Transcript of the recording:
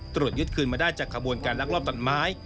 ตรวจยึดคืนมาได้จากขบวนการลักลอบตัดไม้